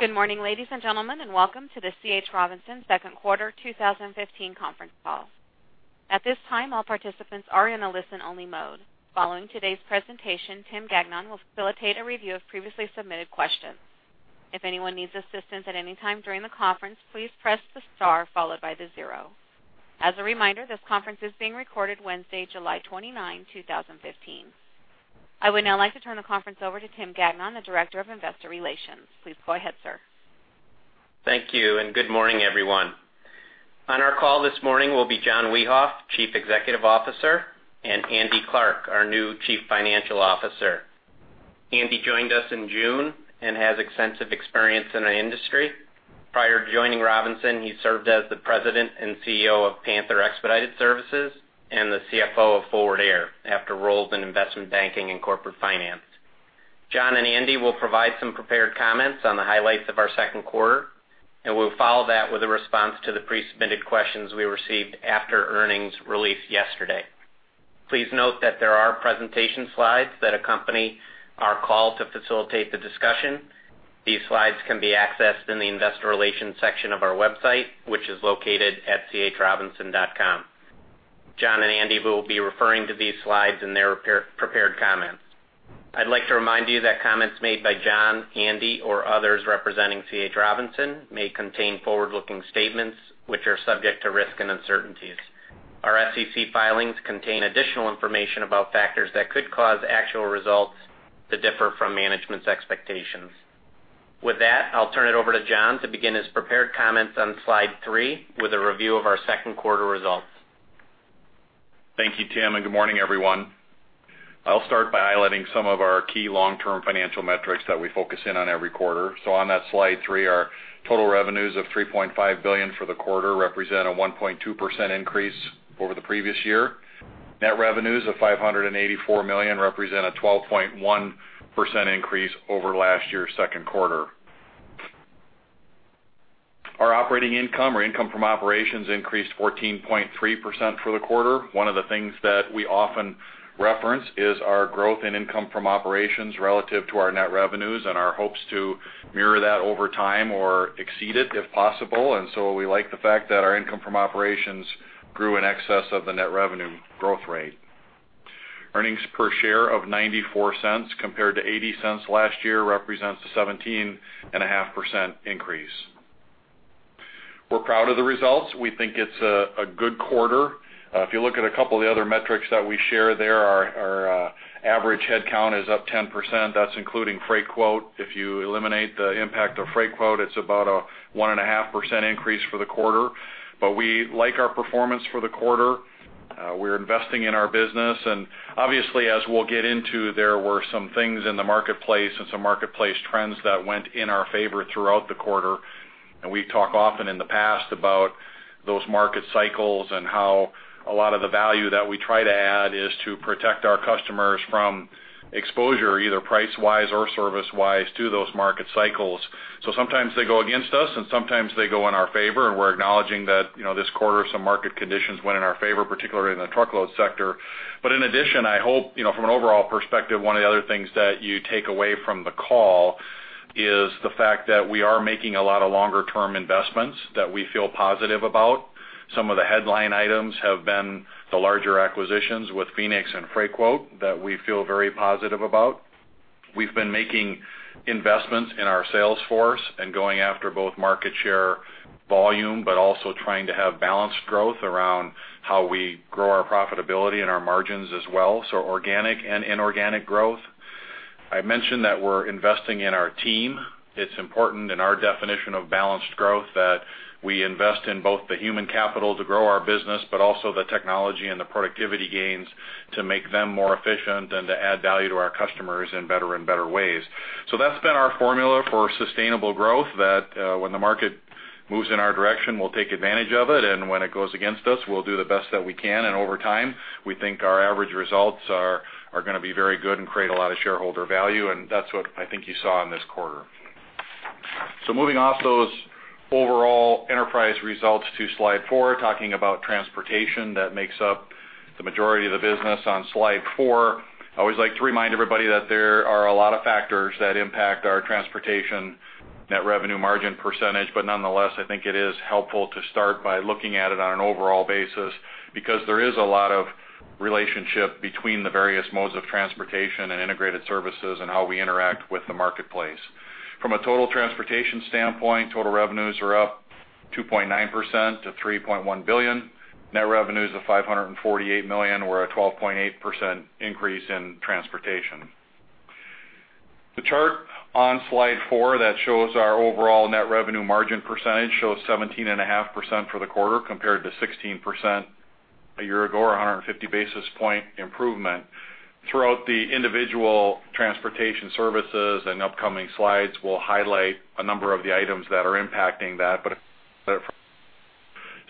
Good morning, ladies and gentlemen, and welcome to the C. H. Robinson second quarter 2015 conference call. At this time, all participants are in a listen only mode. Following today's presentation, Tim Gagnon will facilitate a review of previously submitted questions. If anyone needs assistance at any time during the conference, please press the star followed by the zero. As a reminder, this conference is being recorded Wednesday, July 29, 2015. I would now like to turn the conference over to Tim Gagnon, the Director of Investor Relations. Please go ahead, sir. Thank you, and good morning, everyone. On our call this morning will be John Wiehoff, Chief Executive Officer, and Andy Clarke, our new Chief Financial Officer. Andy joined us in June and has extensive experience in our industry. Prior to joining Robinson, he served as the President and CEO of Panther Expedited Services and the CFO of Forward Air after roles in investment banking and corporate finance. John and Andy will provide some prepared comments on the highlights of our second quarter, and we'll follow that with a response to the pre-submitted questions we received after earnings release yesterday. Please note that there are presentation slides that accompany our call to facilitate the discussion. These slides can be accessed in the investor relations section of our website, which is located at chrobinson.com. John and Andy will be referring to these slides in their prepared comments. I'd like to remind you that comments made by John, Andy, or others representing C. H. Robinson may contain forward-looking statements which are subject to risk and uncertainties. Our SEC filings contain additional information about factors that could cause actual results to differ from management's expectations. With that, I'll turn it over to John to begin his prepared comments on Slide three with a review of our second quarter results. Thank you, Tim, and good morning, everyone. I'll start by highlighting some of our key long-term financial metrics that we focus in on every quarter. So on that slide three are total revenues of $3.5 billion for the quarter represent a 1.2% increase over the previous year. Net revenues of $584 million represent a 12.1% increase over last year's second quarter. Our operating income or income from operations increased 14.3% for the quarter. One of the things that we often reference is our growth in income from operations relative to our net revenues and our hopes to mirror that over time or exceed it if possible. And so we like the fact that our income from operations grew in excess of the net revenue growth rate. Earnings per share of $0.94 compared to $0.80 last year represents a 17.5% increase. We're proud of the results. We think it is a good quarter. If you look at a couple of the other metrics that we share there, our average headcount is up 10%. That is including Freightquote. If you eliminate the impact of Freightquote, it is about a 1.5% increase for the quarter. We like our performance for the quarter. We are investing in our business, and obviously, as we will get into, there were some things in the marketplace and some marketplace trends that went in our favor throughout the quarter. We talk often in the past about those market cycles and how a lot of the value that we try to add is to protect our customers from exposure, either price-wise or service-wise, to those market cycles. Sometimes they go against us and sometimes they go in our favor. We are acknowledging that this quarter, some market conditions went in our favor, particularly in the truckload sector. In addition, I hope from an overall perspective, one of the other things that you take away from the call is the fact that we are making a lot of longer-term investments that we feel positive about. Some of the headline items have been the larger acquisitions with Phoenix and Freightquote that we feel very positive about. We have been making investments in our sales force and going after both market share volume, but also trying to have balanced growth around how we grow our profitability and our margins as well, so organic and inorganic growth. I mentioned that we are investing in our team. It is important in our definition of balanced growth that we invest in both the human capital to grow our business, but also the technology and the productivity gains to make them more efficient and to add value to our customers in better and better ways. That has been our formula for sustainable growth, that when the market moves in our direction, we will take advantage of it, and when it goes against us, we will do the best that we can, and over time, we think our average results are going to be very good and create a lot of shareholder value, and that is what I think you saw in this quarter. Moving off those overall enterprise results to slide four, talking about transportation that makes up the majority of the business on slide four. I always like to remind everybody that there are a lot of factors that impact our transportation net revenue margin percentage. Nonetheless, I think it is helpful to start by looking at it on an overall basis because there is a lot of relationship between the various modes of transportation and integrated services and how we interact with the marketplace. From a total transportation standpoint, total revenues are up 2.9% to $3.1 billion. Net revenues of $548 million were a 12.8% increase in transportation. The chart on slide four that shows our overall net revenue margin percentage shows 17.5% for the quarter compared to 16% a year ago, or 150 basis point improvement. Throughout the individual transportation services and upcoming slides, we will highlight a number of the items that are impacting that. From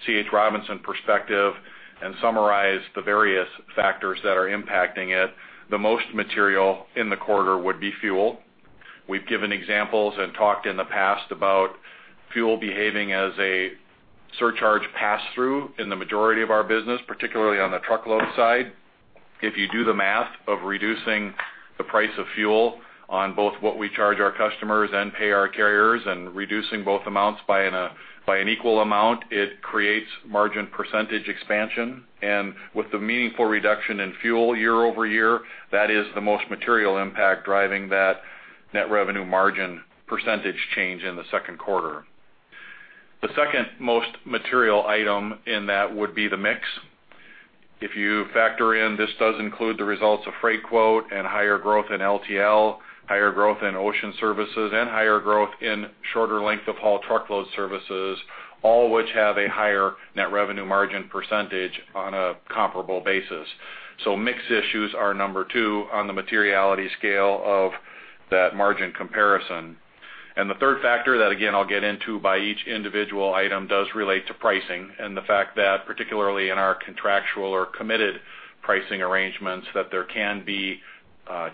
C. H. Robinson perspective and summarize the various factors that are impacting it, the most material in the quarter would be fuel. We've given examples and talked in the past about fuel behaving as a surcharge pass-through in the majority of our business, particularly on the truckload side. If you do the math of reducing the price of fuel on both what we charge our customers and pay our carriers, and reducing both amounts by an equal amount, it creates margin percentage expansion. With the meaningful reduction in fuel year-over-year, that is the most material impact driving that net revenue margin percentage change in the second quarter. The second most material item in that would be the mix. If you factor in, this does include the results of Freightquote and higher growth in LTL, higher growth in ocean services, and higher growth in shorter length-of-haul truckload services, all which have a higher net revenue margin percentage on a comparable basis. Mix issues are number two on the materiality scale of that margin comparison. The third factor that, again, I'll get into by each individual item, does relate to pricing and the fact that particularly in our contractual or committed pricing arrangements, there can be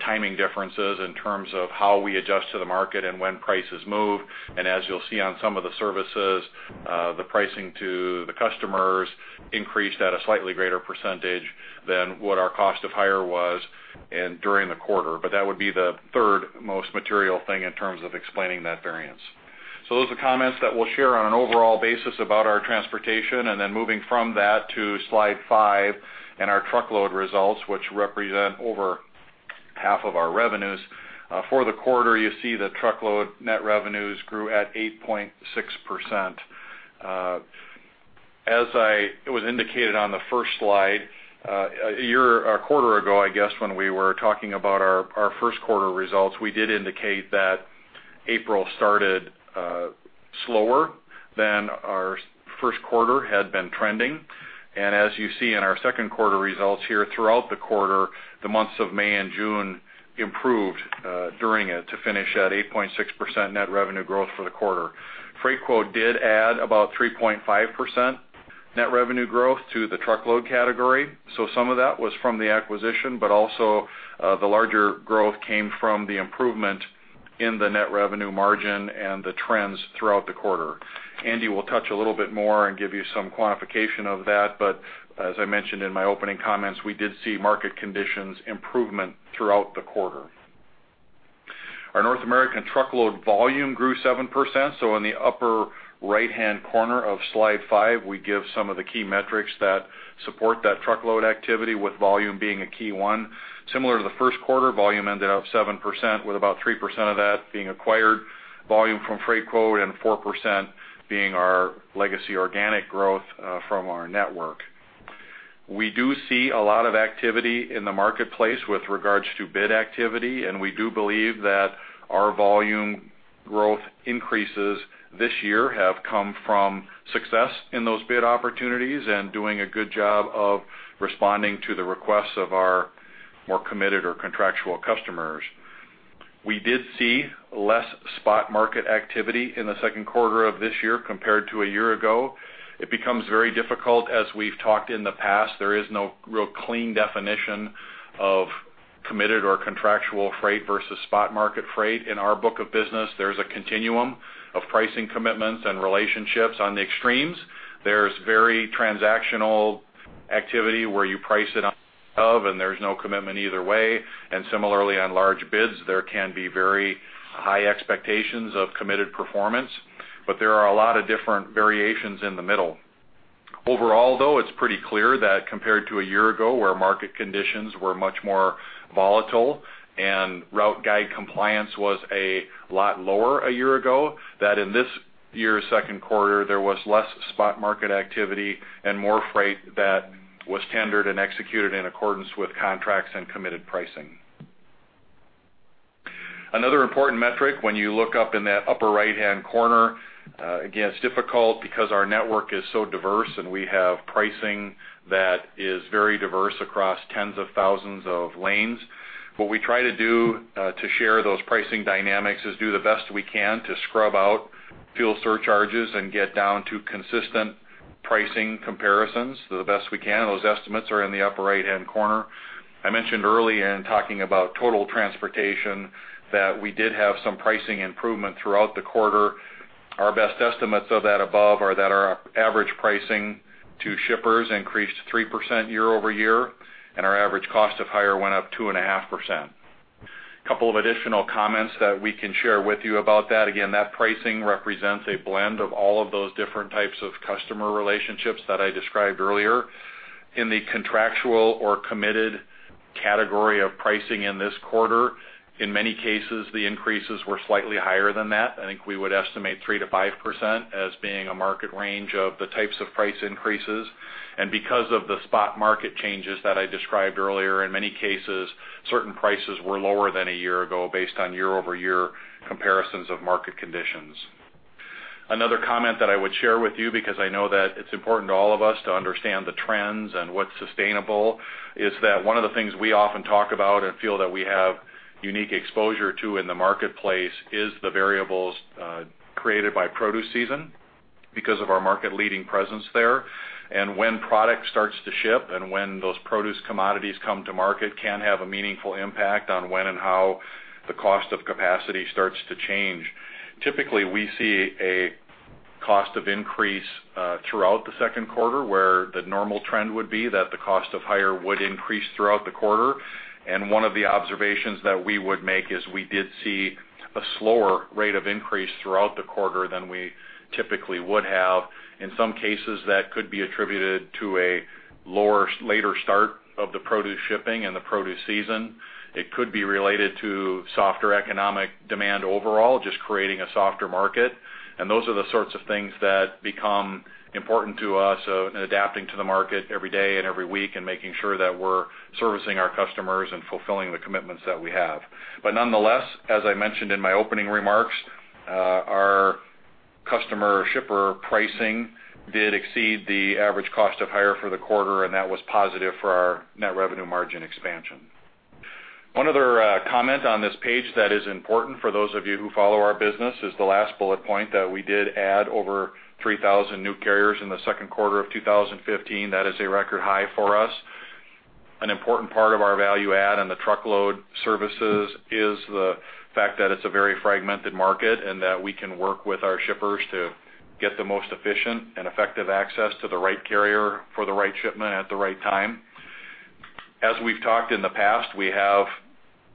timing differences in terms of how we adjust to the market and when prices move. As you'll see on some of the services, the pricing to the customers increased at a slightly greater percentage than what our cost of hire was during the quarter. That would be the third most material thing in terms of explaining that variance. Those are the comments that we'll share on an overall basis about our transportation, then moving from that to Slide 5 and our truckload results, which represent over half of our revenues. For the quarter, you see the truckload net revenues grew at 8.6%. As it was indicated on the first slide, a quarter ago, I guess, when we were talking about our first quarter results, we did indicate that April started slower than our first quarter had been trending. As you see in our second quarter results here, throughout the quarter, the months of May and June improved during it to finish at 8.6% net revenue growth for the quarter. Freightquote did add about 3.5% net revenue growth to the truckload category. Some of that was from the acquisition, but also the larger growth came from the improvement in the net revenue margin and the trends throughout the quarter. Andy will touch a little bit more and give you some quantification of that. As I mentioned in my opening comments, we did see market conditions improvement throughout the quarter. Our North American truckload volume grew 7%, in the upper right-hand corner of Slide 5, we give some of the key metrics that support that truckload activity, with volume being a key one. Similar to the first quarter, volume ended up 7%, with about 3% of that being acquired volume from Freightquote and 4% being our legacy organic growth from our network. We do see a lot of activity in the marketplace with regards to bid activity. We do believe that our volume growth increases this year have come from success in those bid opportunities and doing a good job of responding to the requests of our more committed or contractual customers. We did see less spot market activity in the second quarter of this year compared to a year ago. It becomes very difficult, as we have talked in the past, there is no real clean definition of committed or contractual freight versus spot market freight. In our book of business, there is a continuum of pricing commitments and relationships on the extremes. There is very transactional activity where you price it up above and there is no commitment either way. Similarly, on large bids, there can be very high expectations of committed performance. There are a lot of different variations in the middle. Overall, it is pretty clear that compared to a year ago, where market conditions were much more volatile and route guide compliance was a lot lower a year ago, that in this year's second quarter, there was less spot market activity and more freight that was tendered and executed in accordance with contracts and committed pricing. Another important metric when you look up in that upper right-hand corner, again, it is difficult because our network is so diverse, and we have pricing that is very diverse across tens of thousands of lanes. What we try to do to share those pricing dynamics is do the best we can to scrub out fuel surcharges and get down to consistent pricing comparisons the best we can. Those estimates are in the upper right-hand corner. I mentioned early in talking about total transportation that we did have some pricing improvement throughout the quarter. Our best estimates of that above are that our average pricing to shippers increased 3% year-over-year, and our average cost of hire went up 2.5%. Couple of additional comments that we can share with you about that. Again, that pricing represents a blend of all of those different types of customer relationships that I described earlier. In the contractual or committed category of pricing in this quarter, in many cases, the increases were slightly higher than that. I think we would estimate 3%-5% as being a market range of the types of price increases. Because of the spot market changes that I described earlier, in many cases, certain prices were lower than a year ago based on year-over-year comparisons of market conditions. Another comment that I would share with you, because I know that it is important to all of us to understand the trends and what is sustainable, is that one of the things we often talk about and feel that we have unique exposure to in the marketplace is the variables created by produce season because of our market-leading presence there. When product starts to ship and when those produce commodities come to market can have a meaningful impact on when and how the cost of capacity starts to change. Typically, we see a cost of increase throughout the second quarter, where the normal trend would be that the cost of hire would increase throughout the quarter. One of the observations that we would make is we did see a slower rate of increase throughout the quarter than we typically would have. In some cases, that could be attributed to a later start of the produce shipping and the produce season. It could be related to softer economic demand overall, just creating a softer market. Those are the sorts of things that become important to us in adapting to the market every day and every week, and making sure that we're servicing our customers and fulfilling the commitments that we have. Nonetheless, as I mentioned in my opening remarks, our customer shipper pricing did exceed the average cost of hire for the quarter, and that was positive for our net revenue margin expansion. One other comment on this page that is important for those of you who follow our business is the last bullet point, that we did add over 3,000 new carriers in the second quarter of 2015. That is a record high for us. An important part of our value add in the truckload services is the fact that it's a very fragmented market, and that we can work with our shippers to get the most efficient and effective access to the right carrier for the right shipment at the right time. As we've talked in the past, we have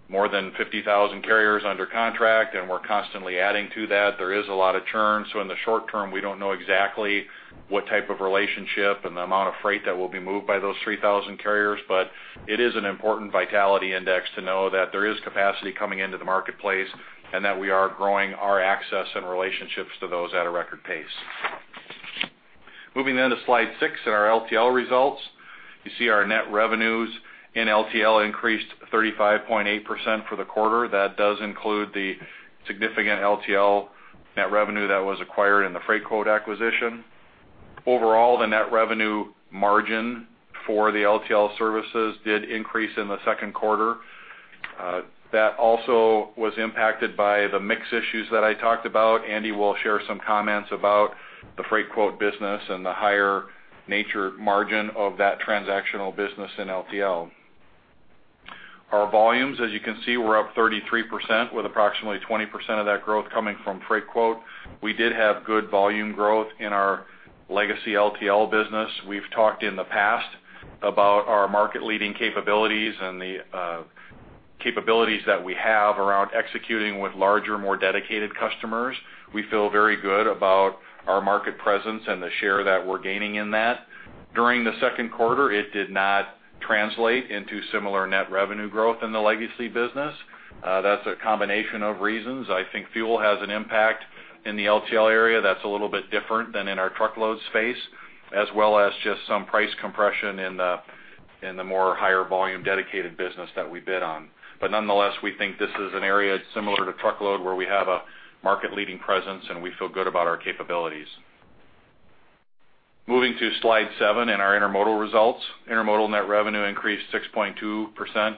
more than 50,000 carriers under contract, and we're constantly adding to that. There is a lot of churn. In the short term, we don't know exactly what type of relationship and the amount of freight that will be moved by those 3,000 carriers, but it is an important vitality index to know that there is capacity coming into the marketplace, and that we are growing our access and relationships to those at a record pace. Moving to Slide six and our LTL results. You see our net revenues in LTL increased 35.8% for the quarter. That does include the significant LTL net revenue that was acquired in the Freightquote acquisition. Overall, the net revenue margin for the LTL services did increase in the second quarter. That also was impacted by the mix issues that I talked about. Andy will share some comments about the Freightquote business and the higher margin of that transactional business in LTL. Our volumes, as you can see, were up 33%, with approximately 20% of that growth coming from Freightquote. We did have good volume growth in our legacy LTL business. We've talked in the past about our market-leading capabilities and the capabilities that we have around executing with larger, more dedicated customers. We feel very good about our market presence and the share that we're gaining in that. During the second quarter, it did not translate into similar net revenue growth in the legacy business. That's a combination of reasons. I think fuel has an impact in the LTL area that's a little bit different than in our truckload space, as well as just some price compression in the more higher volume dedicated business that we bid on. Nonetheless, we think this is an area similar to truckload, where we have a market-leading presence, and we feel good about our capabilities. Moving to Slide seven and our Intermodal results. Intermodal net revenue increased 6.2%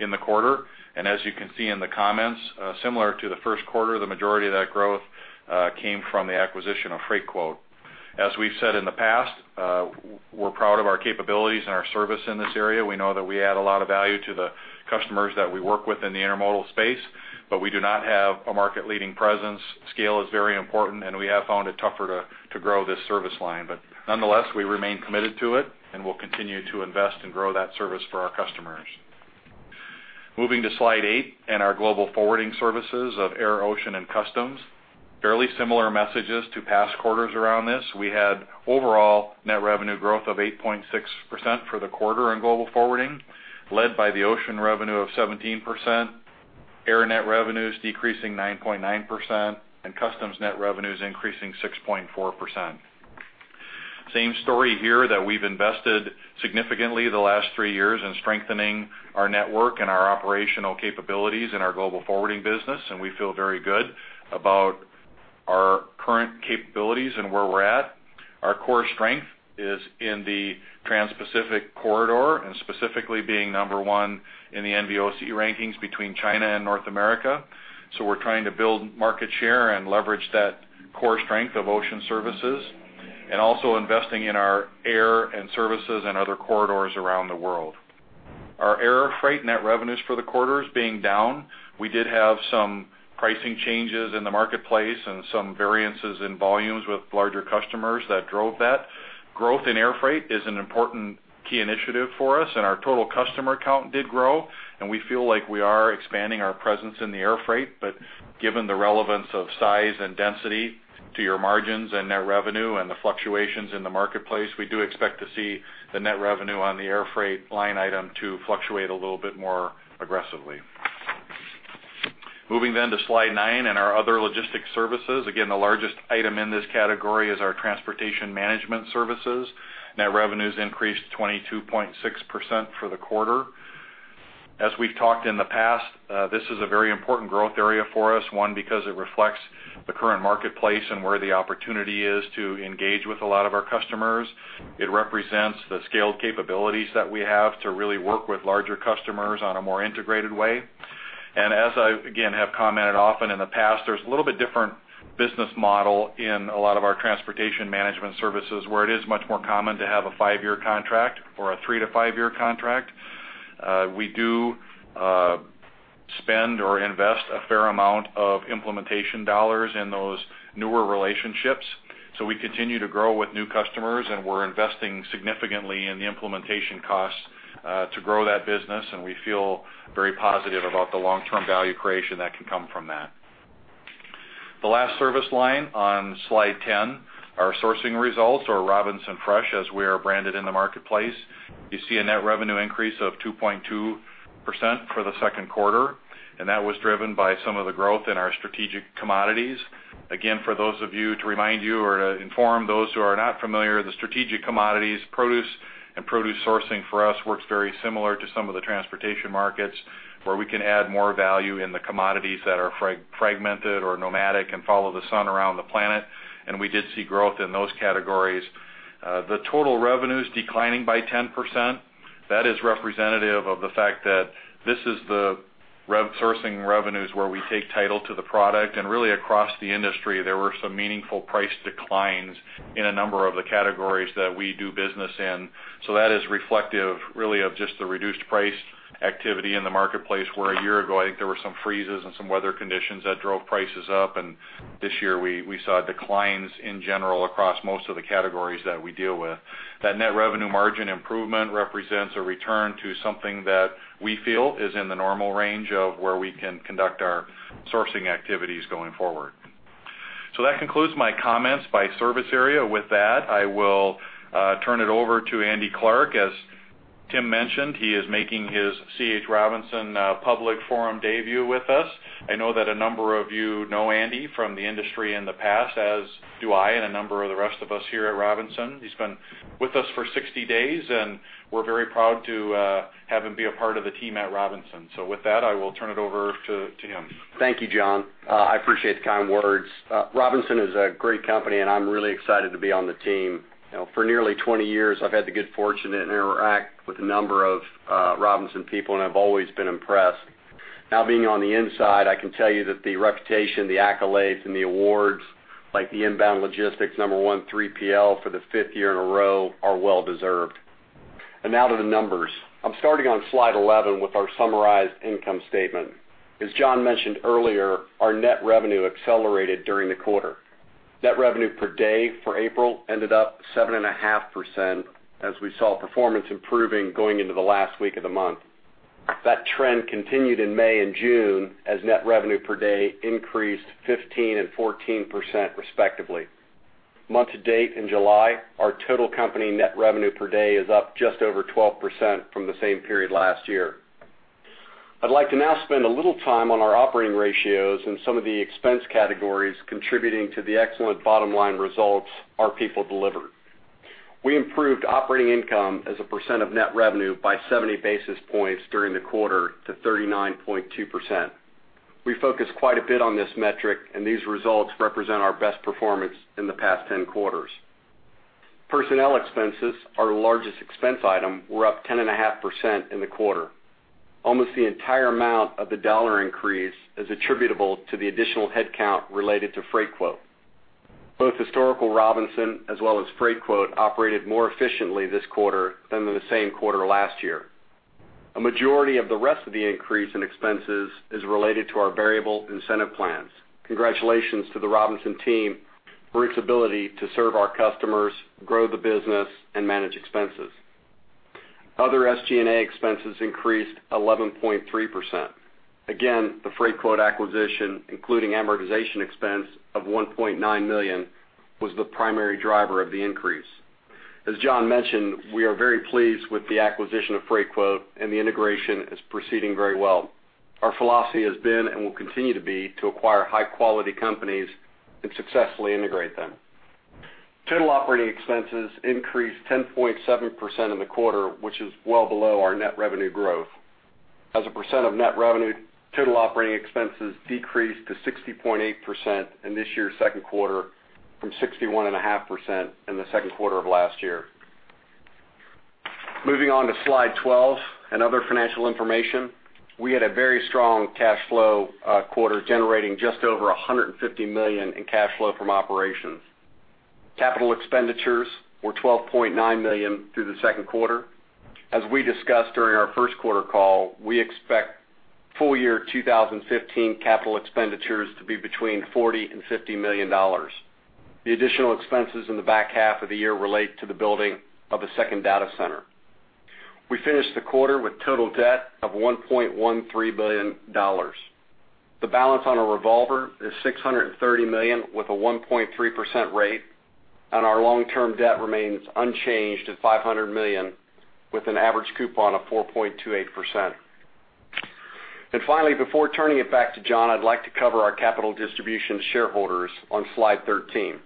in the quarter. As you can see in the comments, similar to the first quarter, the majority of that growth came from the acquisition of Freightquote. As we've said in the past, we're proud of our capabilities and our service in this area. We know that we add a lot of value to the customers that we work with in the Intermodal space, but we do not have a market-leading presence. Scale is very important, and we have found it tougher to grow this service line. Nonetheless, we remain committed to it, and we'll continue to invest and grow that service for our customers. Moving to Slide eight and our Global Forwarding services of Air, Ocean, and Customs. Fairly similar messages to past quarters around this. We had overall net revenue growth of 8.6% for the quarter in Global Forwarding, led by the Ocean revenue of 17%, Air net revenues decreasing 9.9%, and Customs net revenues increasing 6.4%. Same story here, that we've invested significantly the last three years in strengthening our network and our operational capabilities in our Global Forwarding business, and we feel very good about our current capabilities and where we're at. Our core strength is in the Transpacific corridor, and specifically being number 1 in the NVOCC rankings between China and North America. We're trying to build market share and leverage that core strength of Ocean services, also investing in our Air and services in other corridors around the world. Our Air Freight net revenues for the quarter as being down. We did have some pricing changes in the marketplace and some variances in volumes with larger customers that drove that. Growth in Air Freight is an important key initiative for us, our total customer count did grow, and we feel like we are expanding our presence in the Air Freight. Given the relevance of size and density to your margins and net revenue and the fluctuations in the marketplace, we do expect to see the net revenue on the Air Freight line item to fluctuate a little bit more aggressively. Moving to Slide nine and our Other Logistics Services. Again, the largest item in this category is our Transportation Management services. Net revenues increased 22.6% for the quarter. As we've talked in the past, this is a very important growth area for us, one, because it reflects the current marketplace and where the opportunity is to engage with a lot of our customers. It represents the scaled capabilities that we have to really work with larger customers on a more integrated way. As I, again, have commented often in the past, there's a little bit different business model in a lot of our Transportation Management services, where it is much more common to have a five-year contract or a three to five-year contract. We do spend or invest a fair amount of implementation dollars in those newer relationships. We continue to grow with new customers, and we're investing significantly in the implementation costs to grow that business, and we feel very positive about the long-term value creation that can come from that. The last service line on Slide 10, our sourcing results or Robinson Fresh, as we are branded in the marketplace. You see a net revenue increase of 2.2% for the second quarter, and that was driven by some of the growth in our strategic commodities. For those of you, to remind you or to inform those who are not familiar, the strategic commodities produce and produce sourcing for us works very similar to some of the transportation markets, where we can add more value in the commodities that are fragmented or nomadic and follow the sun around the planet, and we did see growth in those categories. The total revenue is declining by 10%. That is representative of the fact that this is the rev sourcing revenues where we take title to the product and really across the industry, there were some meaningful price declines in a number of the categories that we do business in. That is reflective really of just the reduced price activity in the marketplace, where a year ago, I think there were some freezes and some weather conditions that drove prices up. This year we saw declines in general across most of the categories that we deal with. That net revenue margin improvement represents a return to something that we feel is in the normal range of where we can conduct our sourcing activities going forward. That concludes my comments by service area. With that, I will turn it over to Andrew Clarke. As Tim mentioned, he is making his C. H. Robinson public forum debut with us. I know that a number of you know Andy from the industry in the past, as do I and a number of the rest of us here at Robinson. He's been with us for 60 days, and we're very proud to have him be a part of the team at Robinson. With that, I will turn it over to him. Thank you, John. I appreciate the kind words. Robinson is a great company, and I'm really excited to be on the team. For nearly 20 years, I've had the good fortune to interact with a number of Robinson people, and I've always been impressed. Now being on the inside, I can tell you that the reputation, the accolades, and the awards, like the Inbound Logistics number 1 3PL for the fifth year in a row, are well-deserved. Now to the numbers. I'm starting on Slide 11 with our summarized income statement. As John mentioned earlier, our net revenue accelerated during the quarter. Net revenue per day for April ended up 7.5% as we saw performance improving going into the last week of the month. That trend continued in May and June as net revenue per day increased 15% and 14%, respectively. Month to date in July, our total company net revenue per day is up just over 12% from the same period last year. I'd like to now spend a little time on our operating ratios and some of the expense categories contributing to the excellent bottom-line results our people delivered. We improved operating income as a percent of net revenue by 70 basis points during the quarter to 39.2%. We focus quite a bit on this metric, and these results represent our best performance in the past 10 quarters. Personnel expenses, our largest expense item, were up 10.5% in the quarter. Almost the entire amount of the dollar increase is attributable to the additional headcount related to Freightquote. Both historical Robinson as well as Freightquote operated more efficiently this quarter than the same quarter last year. A majority of the rest of the increase in expenses is related to our variable incentive plans. Congratulations to the Robinson team for its ability to serve our customers, grow the business, and manage expenses. Other SG&A expenses increased 11.3%. The Freightquote acquisition, including amortization expense of $1.9 million, was the primary driver of the increase. As John mentioned, we are very pleased with the acquisition of Freightquote, and the integration is proceeding very well. Our philosophy has been and will continue to be to acquire high-quality companies and successfully integrate them. Total operating expenses increased 10.7% in the quarter, which is well below our net revenue growth. As a percent of net revenue, total operating expenses decreased to 60.8% in this year's second quarter from 61.5% in the second quarter of last year. Moving on to Slide 12 and other financial information, we had a very strong cash flow quarter, generating just over $150 million in cash flow from operations. Capital expenditures were $12.9 million through the second quarter. As we discussed during our first quarter call, we expect full year 2015 capital expenditures to be between $40 million and $50 million. The additional expenses in the back half of the year relate to the building of a second data center. We finished the quarter with total debt of $1.13 billion. The balance on our revolver is $630 million with a 1.3% rate, and our long-term debt remains unchanged at $500 million with an average coupon of 4.28%. Finally, before turning it back to John, I'd like to cover our capital distribution to shareholders on Slide 13.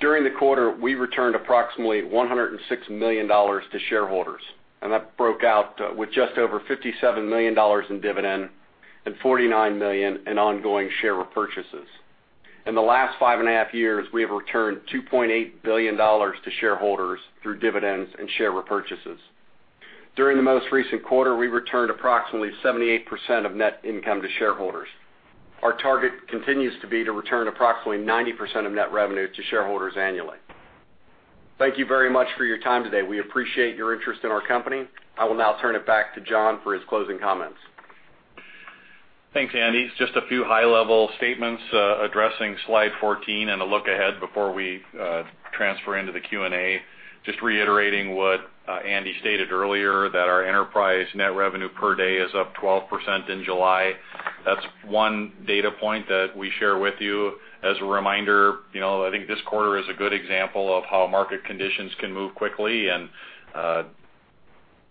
During the quarter, we returned approximately $106 million to shareholders, that broke out with just over $57 million in dividend and $49 million in ongoing share repurchases. In the last five and a half years, we have returned $2.8 billion to shareholders through dividends and share repurchases. During the most recent quarter, we returned approximately 78% of net income to shareholders. Our target continues to be to return approximately 90% of net revenue to shareholders annually. Thank you very much for your time today. We appreciate your interest in our company. I will now turn it back to John for his closing comments. Thanks, Andy. Just a few high-level statements addressing Slide 14 and a look ahead before we transfer into the Q&A. Just reiterating what Andy stated earlier, that our enterprise net revenue per day is up 12% in July. That's one data point that we share with you as a reminder. I think this quarter is a good example of how market conditions can move quickly, and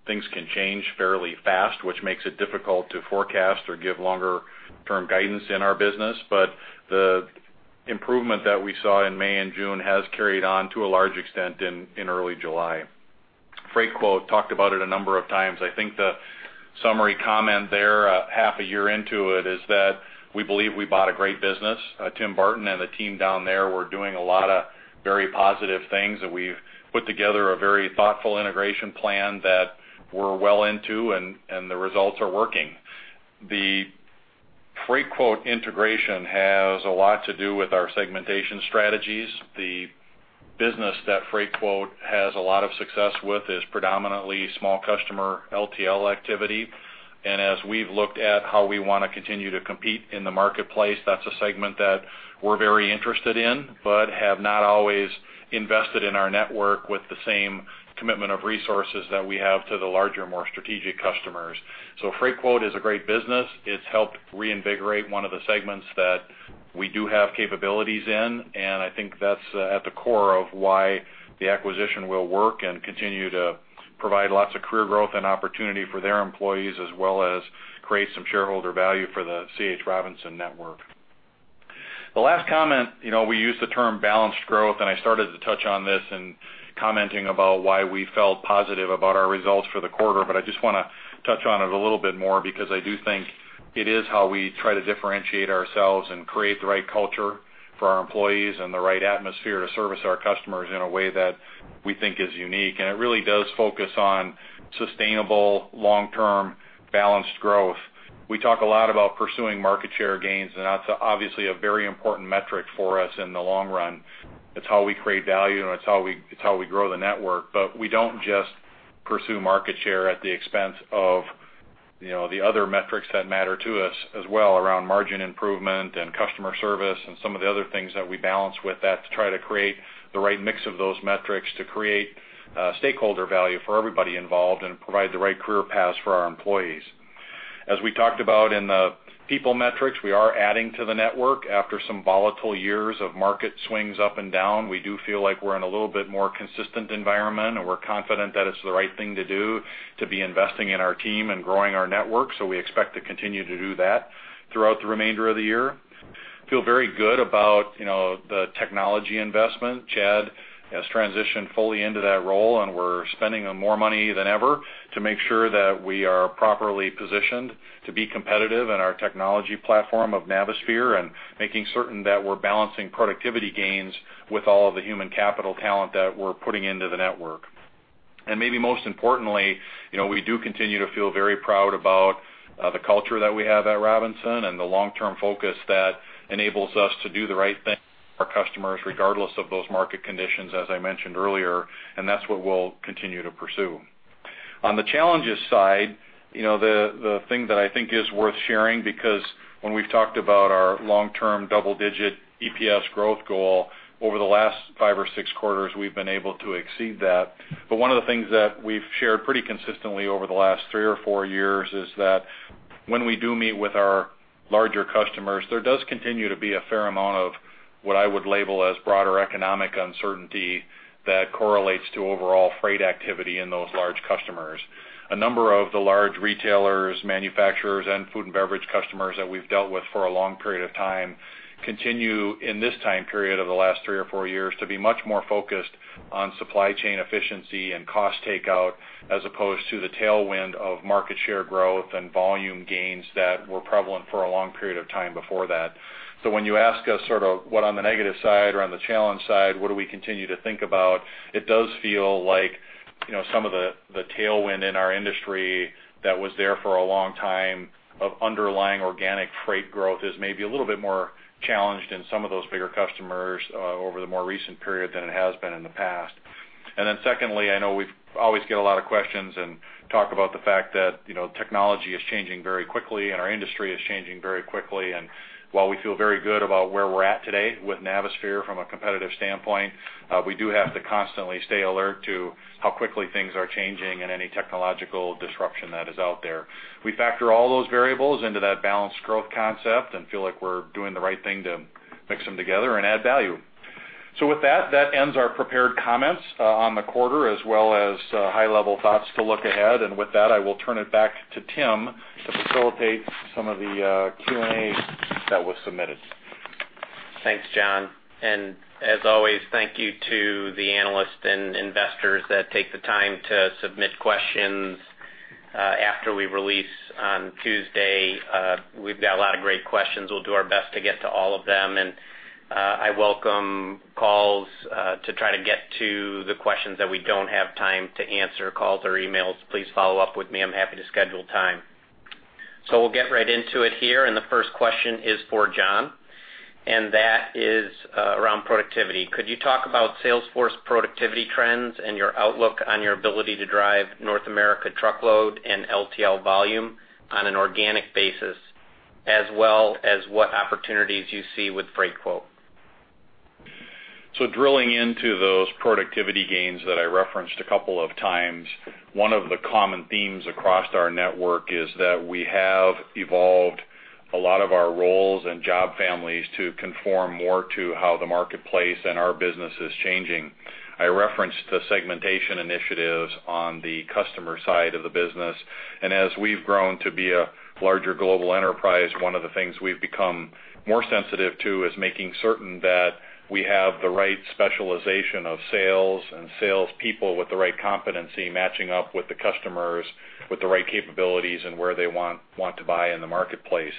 things can change fairly fast, which makes it difficult to forecast or give longer-term guidance in our business. The improvement that we saw in May and June has carried on to a large extent in early July. Freightquote, talked about it a number of times. I think the summary comment there, half a year into it, is that we believe we bought a great business. Tim Barton and the team down there were doing a lot of very positive things. We've put together a very thoughtful integration plan that we're well into, and the results are working. The Freightquote integration has a lot to do with our segmentation strategies. The business that Freightquote has a lot of success with is predominantly small customer LTL activity. As we've looked at how we want to continue to compete in the marketplace, that's a segment that we're very interested in, but have not always invested in our network with the same commitment of resources that we have to the larger, more strategic customers. Freightquote is a great business. It's helped reinvigorate one of the segments that we do have capabilities in, and I think that's at the core of why the acquisition will work and continue to provide lots of career growth and opportunity for their employees, as well as create some shareholder value for the C. H. Robinson network. The last comment, we use the term balanced growth, and I started to touch on this in commenting about why we felt positive about our results for the quarter, but I just want to touch on it a little bit more because I do think it is how we try to differentiate ourselves and create the right culture for our employees and the right atmosphere to service our customers in a way that we think is unique. It really does focus on sustainable, long-term, balanced growth. We talk a lot about pursuing market share gains, and that's obviously a very important metric for us in the long run. It's how we create value, and it's how we grow the network. We don't just pursue market share at the expense of the other metrics that matter to us as well, around margin improvement and customer service and some of the other things that we balance with that to try to create the right mix of those metrics to create stakeholder value for everybody involved and provide the right career paths for our employees. As we talked about in the people metrics, we are adding to the network after some volatile years of market swings up and down. We do feel like we're in a little bit more consistent environment, and we're confident that it's the right thing to do to be investing in our team and growing our network. We expect to continue to do that throughout the remainder of the year. Feel very good about the technology investment. Chad has transitioned fully into that role, and we're spending more money than ever to make sure that we are properly positioned to be competitive in our technology platform of Navisphere and making certain that we're balancing productivity gains with all of the human capital talent that we're putting into the network. Maybe most importantly, we do continue to feel very proud about the culture that we have at Robinson and the long-term focus that enables us to do the right thing for our customers, regardless of those market conditions, as I mentioned earlier, and that's what we'll continue to pursue. On the challenges side, the thing that I think is worth sharing, because when we've talked about our long-term double-digit EPS growth goal, over the last five or six quarters, we've been able to exceed that. One of the things that we've shared pretty consistently over the last three or four years is that when we do meet with our larger customers, there does continue to be a fair amount of what I would label as broader economic uncertainty that correlates to overall freight activity in those large customers. A number of the large retailers, manufacturers, and food and beverage customers that we've dealt with for a long period of time continue, in this time period of the last three or four years, to be much more focused on supply chain efficiency and cost takeout, as opposed to the tailwind of market share growth and volume gains that were prevalent for a long period of time before that. When you ask us sort of what on the negative side or on the challenge side, what do we continue to think about, it does feel like some of the tailwind in our industry that was there for a long time of underlying organic freight growth is maybe a little bit more challenged in some of those bigger customers over the more recent period than it has been in the past. Secondly, I know we always get a lot of questions and talk about the fact that technology is changing very quickly, and our industry is changing very quickly. While we feel very good about where we're at today with Navisphere from a competitive standpoint, we do have to constantly stay alert to how quickly things are changing and any technological disruption that is out there. We factor all those variables into that balanced growth concept and feel like we're doing the right thing to mix them together and add value. With that ends our prepared comments on the quarter as well as high-level thoughts to look ahead. With that, I will turn it back to Tim to facilitate some of the Q&A that was submitted. Thanks, John, as always, thank you to the analysts and investors that take the time to submit questions after we release on Tuesday. We've got a lot of great questions. We'll do our best to get to all of them, and I welcome calls to try to get to the questions that we don't have time to answer, calls or emails. Please follow up with me. I'm happy to schedule time. We'll get right into it here, the first question is for John, and that is around productivity. Could you talk about sales force productivity trends and your outlook on your ability to drive North America truckload and LTL volume on an organic basis, as well as what opportunities you see with Freightquote? Drilling into those productivity gains that I referenced a couple of times, one of the common themes across our network is that we have evolved a lot of our roles and job families to conform more to how the marketplace and our business is changing. I referenced the segmentation initiatives on the customer side of the business, as we've grown to be a larger global enterprise, one of the things we've become more sensitive to is making certain that we have the right specialization of sales and salespeople with the right competency, matching up with the customers with the right capabilities and where they want to buy in the marketplace.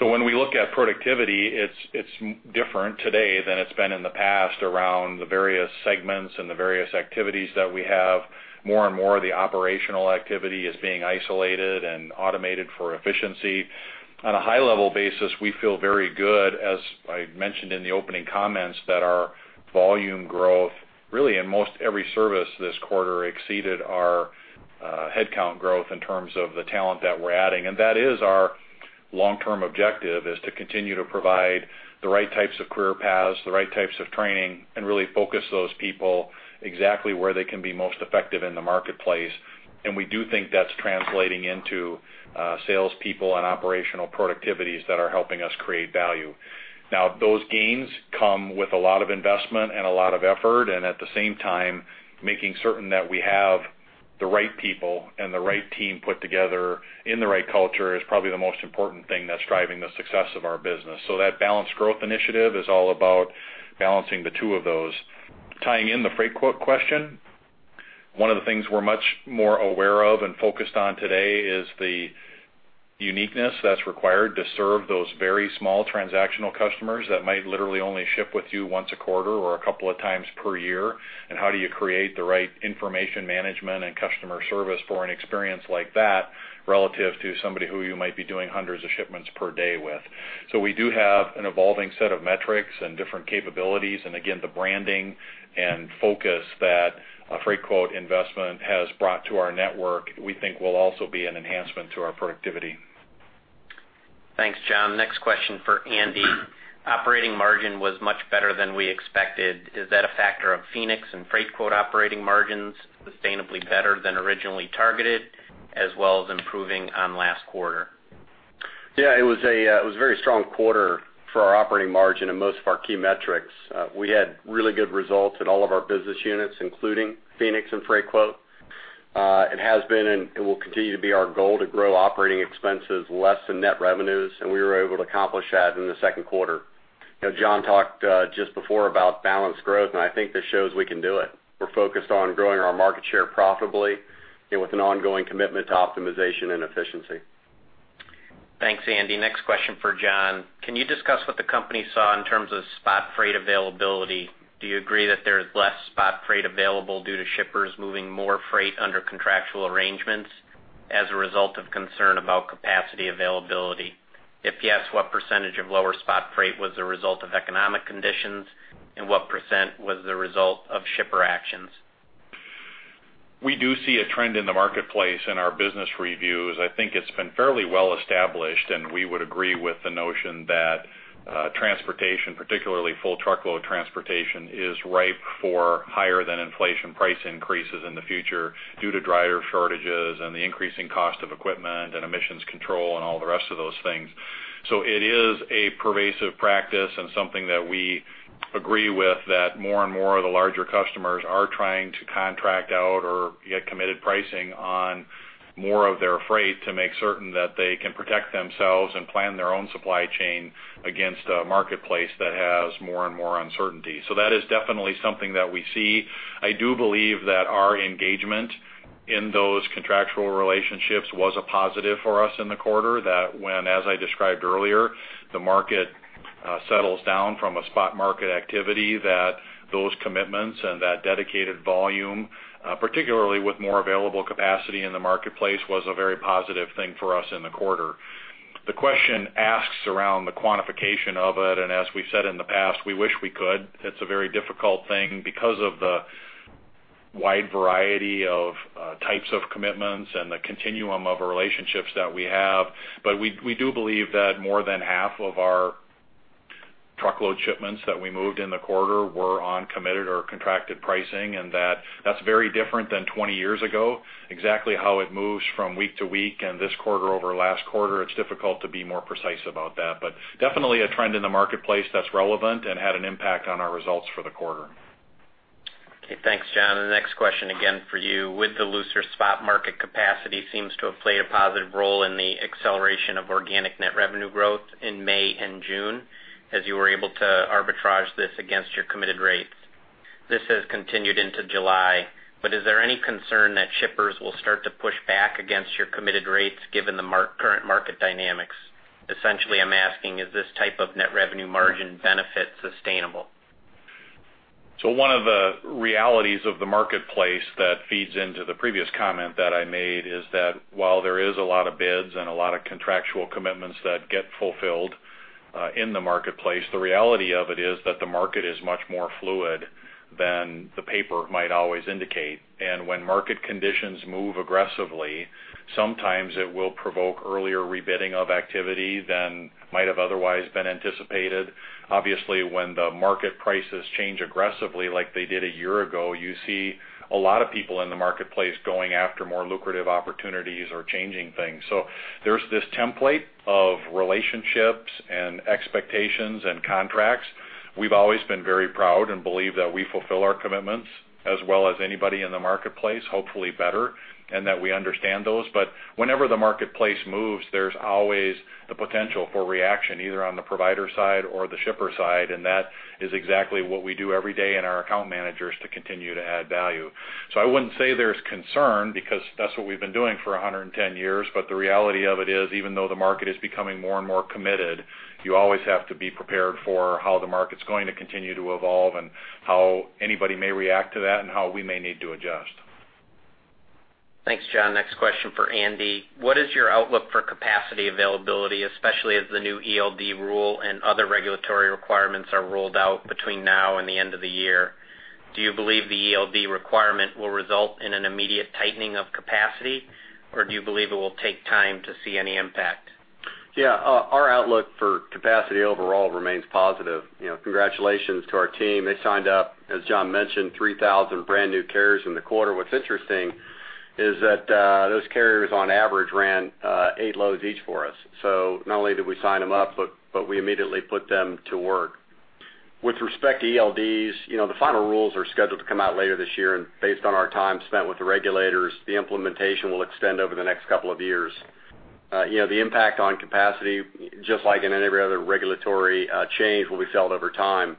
When we look at productivity, it's different today than it's been in the past around the various segments and the various activities that we have. More and more of the operational activity is being isolated and automated for efficiency. On a high-level basis, we feel very good, as I mentioned in the opening comments, that our volume growth, really in most every service this quarter, exceeded our headcount growth in terms of the talent that we're adding. That is our long-term objective, is to continue to provide the right types of career paths, the right types of training, and really focus those people exactly where they can be most effective in the marketplace. We do think that's translating into salespeople and operational productivities that are helping us create value. Those gains come with a lot of investment and a lot of effort, at the same time, making certain that we have the right people and the right team put together in the right culture is probably the most important thing that's driving the success of our business. That balanced growth initiative is all about balancing the two of those. Tying in the Freightquote question, one of the things we're much more aware of and focused on today is the uniqueness that's required to serve those very small transactional customers that might literally only ship with you once a quarter or a couple of times per year, and how do you create the right information management and customer service for an experience like that relative to somebody who you might be doing hundreds of shipments per day with. We do have an evolving set of metrics and different capabilities. Again, the branding and focus that a Freightquote investment has brought to our network, we think will also be an enhancement to our productivity. Thanks, John. Next question for Andy. Operating margin was much better than we expected. Is that a factor of Phoenix and Freightquote operating margins sustainably better than originally targeted, as well as improving on last quarter? Yeah, it was a very strong quarter for our operating margin and most of our key metrics. We had really good results in all of our business units, including Phoenix and Freightquote. It has been and it will continue to be our goal to grow operating expenses less than net revenues. We were able to accomplish that in the second quarter. John talked just before about balanced growth. I think this shows we can do it. We're focused on growing our market share profitably with an ongoing commitment to optimization and efficiency. Thanks, Andy. Next question for John. Can you discuss what the company saw in terms of spot freight availability? Do you agree that there is less spot freight available due to shippers moving more freight under contractual arrangements as a result of concern about capacity availability? If yes, what % of lower spot freight was the result of economic conditions, and what percent was the result of shipper actions? We do see a trend in the marketplace in our business reviews. I think it's been fairly well established. We would agree with the notion that transportation, particularly full truckload transportation, is ripe for higher than inflation price increases in the future due to driver shortages and the increasing cost of equipment and emissions control and all the rest of those things. It is a pervasive practice and something that we agree with, that more and more of the larger customers are trying to contract out or get committed pricing on more of their freight to make certain that they can protect themselves and plan their own supply chain against a marketplace that has more and more uncertainty. That is definitely something that we see. I do believe that our engagement in those contractual relationships was a positive for us in the quarter, that when, as I described earlier, the market settles down from a spot market activity, that those commitments and that dedicated volume, particularly with more available capacity in the marketplace, was a very positive thing for us in the quarter. The question asks around the quantification of it, and as we said in the past, we wish we could. It's a very difficult thing because of the wide variety of types of commitments and the continuum of relationships that we have. We do believe that more than half of our truckload shipments that we moved in the quarter were on committed or contracted pricing, and that's very different than 20 years ago. Exactly how it moves from week to week and this quarter over last quarter, it's difficult to be more precise about that. Definitely a trend in the marketplace that's relevant and had an impact on our results for the quarter. Okay. Thanks, John. The next question, again for you. With the looser spot market capacity seems to have played a positive role in the acceleration of organic net revenue growth in May and June, as you were able to arbitrage this against your committed rates. This has continued into July, is there any concern that shippers will start to push back against your committed rates given the current market dynamics? Essentially, I'm asking, is this type of net revenue margin benefit sustainable? One of the realities of the marketplace that feeds into the previous comment that I made is that while there is a lot of bids and a lot of contractual commitments that get fulfilled in the marketplace, the reality of it is that the market is much more fluid than the paper might always indicate. When market conditions move aggressively, sometimes it will provoke earlier rebidding of activity than might have otherwise been anticipated. Obviously, when the market prices change aggressively like they did a year ago, you see a lot of people in the marketplace going after more lucrative opportunities or changing things. There's this template of relationships and expectations and contracts. We've always been very proud and believe that we fulfill our commitments as well as anybody in the marketplace, hopefully better, and that we understand those. Whenever the marketplace moves, there's always the potential for reaction, either on the provider side or the shipper side, that is exactly what we do every day and our account managers to continue to add value. I wouldn't say there's concern, because that's what we've been doing for 110 years. The reality of it is, even though the market is becoming more and more committed, you always have to be prepared for how the market's going to continue to evolve and how anybody may react to that, and how we may need to adjust. Thanks, John. Next question for Andy. What is your outlook for capacity availability, especially as the new ELD rule and other regulatory requirements are rolled out between now and the end of the year? Do you believe the ELD requirement will result in an immediate tightening of capacity, or do you believe it will take time to see any impact? Yeah. Our outlook for capacity overall remains positive. Congratulations to our team. They signed up, as John mentioned, 3,000 brand new carriers in the quarter. What's interesting is that those carriers, on average, ran eight loads each for us. Not only did we sign them up, but we immediately put them to work. With respect to ELDs, the final rules are scheduled to come out later this year, and based on our time spent with the regulators, the implementation will extend over the next couple of years. The impact on capacity, just like in any other regulatory change, will be felt over time.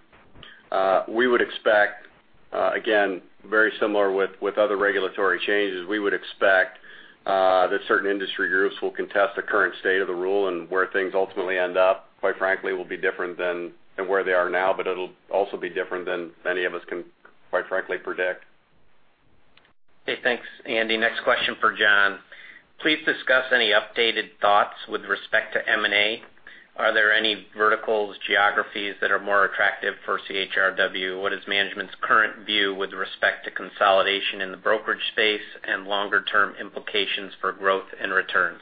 Again, very similar with other regulatory changes, we would expect that certain industry groups will contest the current state of the rule and where things ultimately end up, quite frankly, will be different than where they are now, but it'll also be different than any of us can, quite frankly, predict. Okay, thanks, Andy. Next question for John. Please discuss any updated thoughts with respect to M&A. Are there any verticals, geographies that are more attractive for CHRW? What is management's current view with respect to consolidation in the brokerage space and longer-term implications for growth and returns?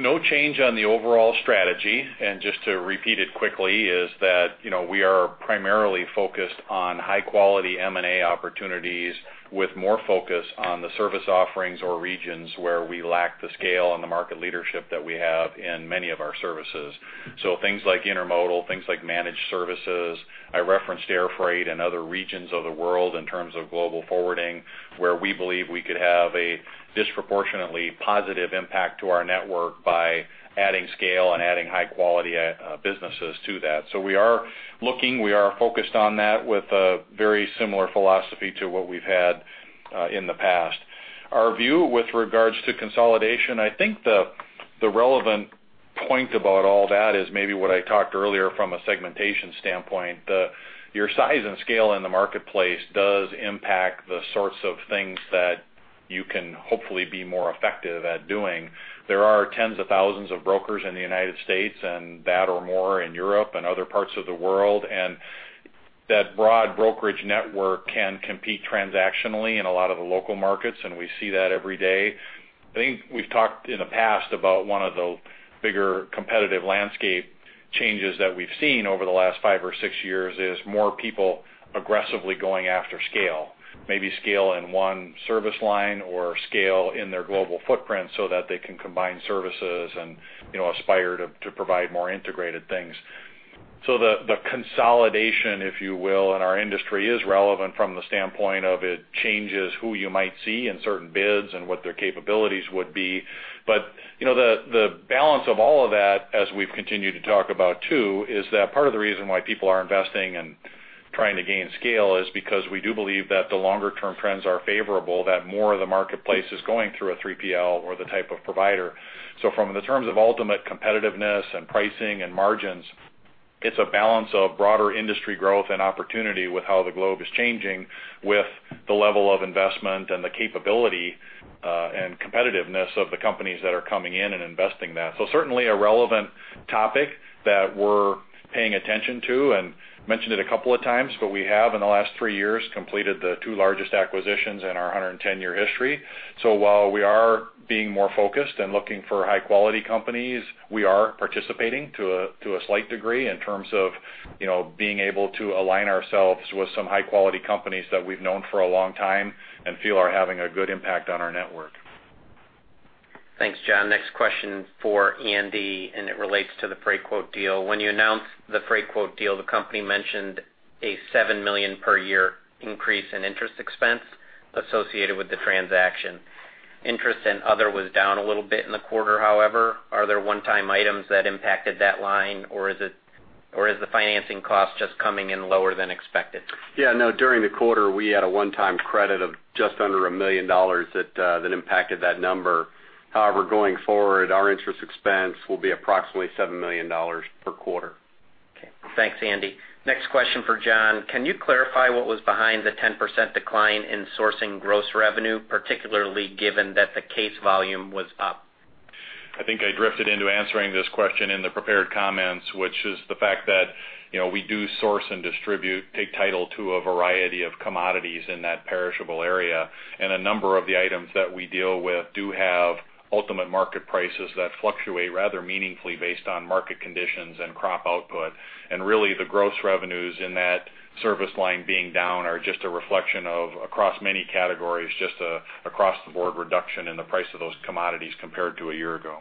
No change on the overall strategy. Just to repeat it quickly, is that we are primarily focused on high-quality M&A opportunities with more focus on the service offerings or regions where we lack the scale and the market leadership that we have in many of our services. Things like intermodal, things like managed services. I referenced air freight and other regions of the world in terms of global forwarding, where we believe we could have a disproportionately positive impact to our network by adding scale and adding high-quality businesses to that. We are looking, we are focused on that with a very similar philosophy to what we've had in the past. Our view with regards to consolidation, I think the relevant point about all that is maybe what I talked earlier from a segmentation standpoint. Your size and scale in the marketplace does impact the sorts of things that you can hopefully be more effective at doing. There are tens of thousands of brokers in the U.S. and that or more in Europe and other parts of the world, and that broad brokerage network can compete transactionally in a lot of the local markets, and we see that every day. I think we've talked in the past about one of the bigger competitive landscape changes that we've seen over the last five or six years is more people aggressively going after scale. Maybe scale in one service line or scale in their global footprint so that they can combine services and aspire to provide more integrated things. The consolidation, if you will, in our industry is relevant from the standpoint of it changes who you might see in certain bids and what their capabilities would be. The balance of all of that, as we've continued to talk about too, is that part of the reason why people are investing and trying to gain scale is because we do believe that the longer-term trends are favorable, that more of the marketplace is going through a 3PL or the type of provider. From the terms of ultimate competitiveness and pricing and margins, it's a balance of broader industry growth and opportunity with how the globe is changing with the level of investment and the capability and competitiveness of the companies that are coming in and investing that. Certainly a relevant topic that we're paying attention to and mentioned it a couple of times, but we have, in the last three years, completed the two largest acquisitions in our 110-year history. While we are being more focused and looking for high-quality companies, we are participating to a slight degree in terms of being able to align ourselves with some high-quality companies that we've known for a long time and feel are having a good impact on our network. Thanks, John. Next question for Andy. It relates to the Freightquote deal. When you announced the Freightquote deal, the company mentioned a $7 million per year increase in interest expense associated with the transaction. Interest and other was down a little bit in the quarter, however. Are there one-time items that impacted that line, or is the financing cost just coming in lower than expected? Yeah, no, during the quarter, we had a one-time credit of just under $1 million that impacted that number. However, going forward, our interest expense will be approximately $7 million per quarter. Okay. Thanks, Andy. Next question for John. Can you clarify what was behind the 10% decline in sourcing gross revenue, particularly given that the case volume was up? I think I drifted into answering this question in the prepared comments, which is the fact that we do source and distribute, take title to a variety of commodities in that perishable area. A number of the items that we deal with do have ultimate market prices that fluctuate rather meaningfully based on market conditions and crop output. Really, the gross revenues in that service line being down are just a reflection of, across many categories, just an across-the-board reduction in the price of those commodities compared to a year ago.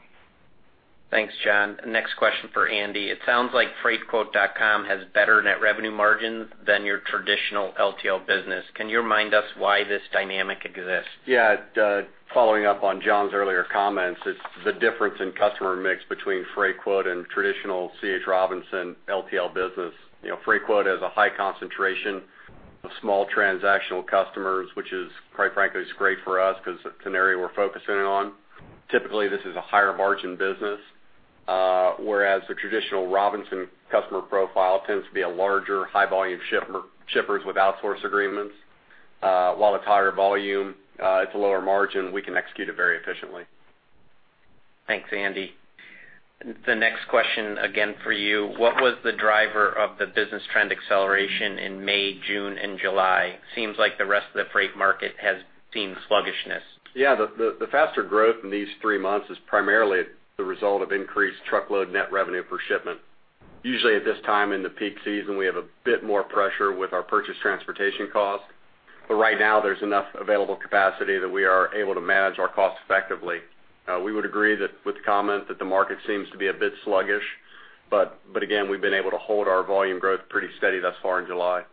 Thanks, John. Next question for Andy. It sounds like Freightquote.com has better net revenue margins than your traditional LTL business. Can you remind us why this dynamic exists? Yeah. Following up on John's earlier comments, it's the difference in customer mix between Freightquote and traditional C. H. Robinson LTL business. Freightquote has a high concentration of small transactional customers, which quite frankly, is great for us because it's an area we're focusing on. Typically, this is a higher margin business. Whereas the traditional Robinson customer profile tends to be a larger, high-volume shippers with outsource agreements. While it's higher volume, it's a lower margin. We can execute it very efficiently. Thanks, Andy. The next question, again, for you. What was the driver of the business trend acceleration in May, June and July? Seems like the rest of the freight market has seen sluggishness. Yeah. The faster growth in these three months is primarily the result of increased truckload net revenue per shipment. Usually, at this time in the peak season, we have a bit more pressure with our purchase transportation cost. Right now, there's enough available capacity that we are able to manage our costs effectively. We would agree with the comment that the market seems to be a bit sluggish, again, we've been able to hold our volume growth pretty steady thus far in July.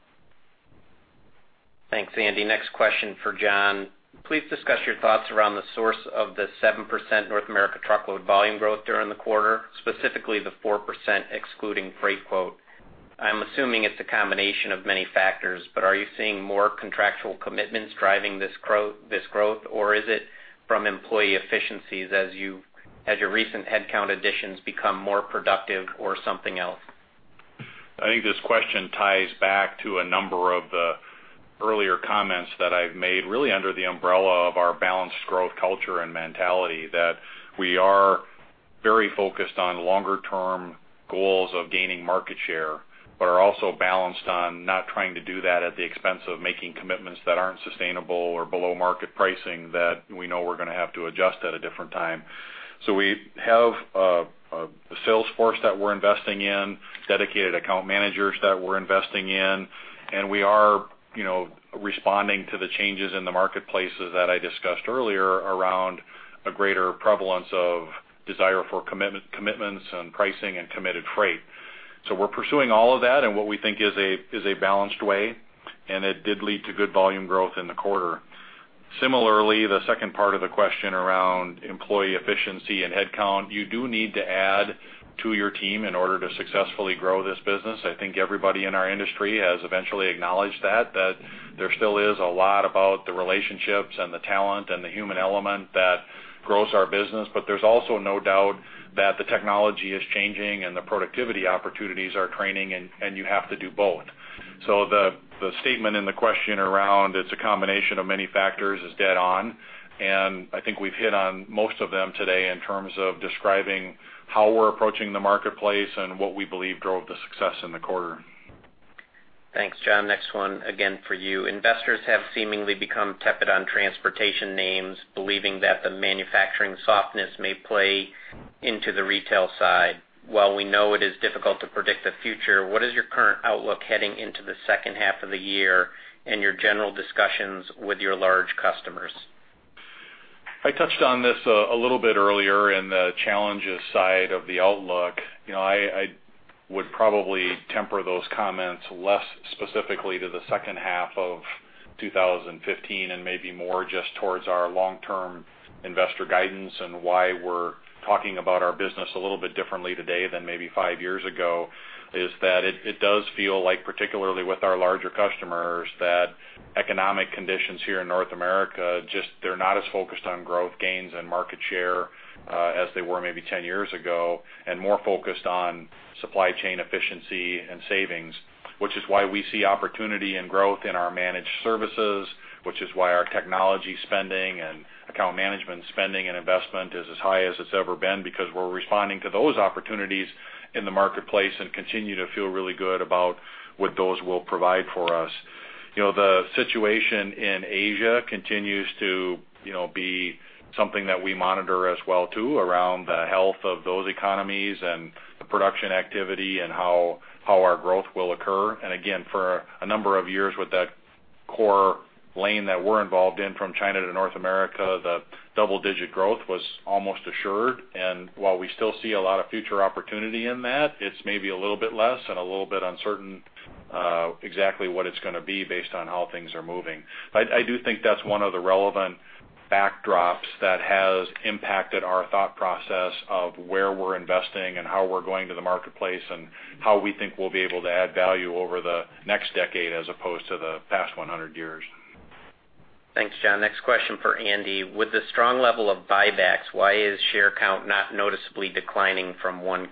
Thanks, Andy. Next question for John. Please discuss your thoughts around the source of the 7% North America truckload volume growth during the quarter, specifically the 4% excluding Freightquote. I'm assuming it's a combination of many factors, are you seeing more contractual commitments driving this growth, is it from employee efficiencies as your recent headcount additions become more productive, or something else? I think this question ties back to a number of the earlier comments that I've made, really under the umbrella of our balanced growth culture and mentality. We are very focused on longer term goals of gaining market share, are also balanced on not trying to do that at the expense of making commitments that aren't sustainable or below market pricing that we know we're going to have to adjust at a different time. We have a sales force that we're investing in, dedicated account managers that we're investing in, we are responding to the changes in the marketplace that I discussed earlier around a greater prevalence of desire for commitments and pricing and committed freight. We're pursuing all of that in what we think is a balanced way, it did lead to good volume growth in the quarter. Similarly, the second part of the question around employee efficiency and headcount. You do need to add to your team in order to successfully grow this business. I think everybody in our industry has eventually acknowledged that there still is a lot about the relationships and the talent and the human element that grows our business. There's also no doubt that the technology is changing, the productivity opportunities are training, and you have to do both. The statement in the question around it's a combination of many factors is dead on, I think we've hit on most of them today in terms of describing how we're approaching the marketplace and what we believe drove the success in the quarter. Thanks, John. Next one, again, for you. Investors have seemingly become tepid on transportation names, believing that the manufacturing softness may play into the retail side. While we know it is difficult to predict the future, what is your current outlook heading into the second half of the year and your general discussions with your large customers? I touched on this a little bit earlier in the challenges side of the outlook. I would probably temper those comments less specifically to the second half of 2015 and maybe more just towards our long-term investor guidance and why we're talking about our business a little bit differently today than maybe five years ago, is that it does feel like, particularly with our larger customers, that economic conditions here in North America, just they're not as focused on growth gains and market share as they were maybe 10 years ago, and more focused on supply chain efficiency and savings. Which is why we see opportunity and growth in our managed services, which is why our technology spending and account management spending and investment is as high as it's ever been because we're responding to those opportunities in the marketplace and continue to feel really good about what those will provide for us. The situation in Asia continues to be something that we monitor as well too, around the health of those economies and the production activity and how our growth will occur. Again, for a number of years with that core lane that we're involved in from China to North America, the double-digit growth was almost assured. While we still see a lot of future opportunity in that, it's maybe a little bit less and a little bit uncertain exactly what it's going to be based on how things are moving. I do think that's one of the relevant backdrops that has impacted our thought process of where we're investing and how we're going to the marketplace and how we think we'll be able to add value over the next decade as opposed to the past 100 years. Thanks, John. Next question for Andy. With the strong level of buybacks, why is share count not noticeably declining from Q1?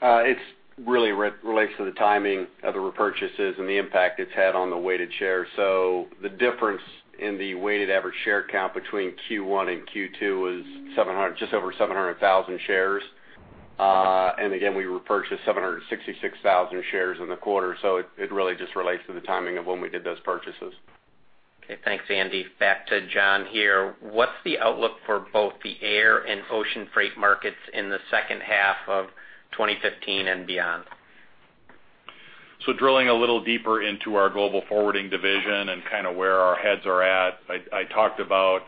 It really relates to the timing of the repurchases and the impact it's had on the weighted shares. The difference in the weighted average share count between Q1 and Q2 was just over 700,000 shares. Again, we repurchased 766,000 shares in the quarter, so it really just relates to the timing of when we did those purchases. Okay. Thanks, Andy. Back to John here. What's the outlook for both the air and ocean freight markets in the second half of 2015 and beyond? Drilling a little deeper into our global forwarding division and where our heads are at. I talked about